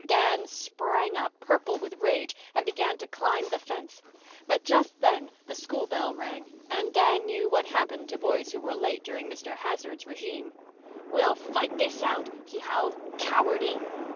Dan sprang up, purple with rage, and began to climb the fence. But just then the school bell rang and Dan knew what happened to boys who were late during Mr. Hazard's regime. "We'll fight this out," he howled. "Cowardy!"